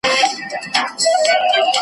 وسله هغه ده چي په لاس کي وي .